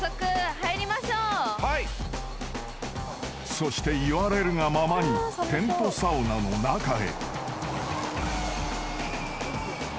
［そして言われるがままにテントサウナの中へ］